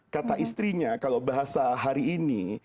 kata istrinya kalau bahasa hari ini